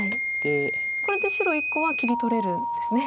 これで白１個は切り取れるんですね。